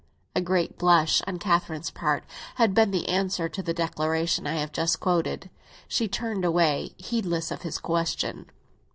A great blush on Catherine's part had been the answer to the declaration I have just quoted. She turned away, heedless of his question.